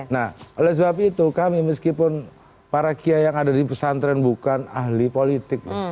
nah oleh sebab itu kami meskipun para kiai yang ada di pesantren bukan ahli politik